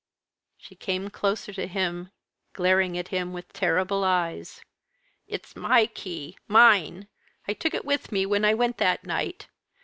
She came closer to him; glaring at him with terrible eyes. "It's my key mine! I took it with me when I went that night.